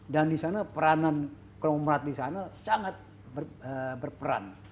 dan di sana peranan kelomrat di sana sangat berperan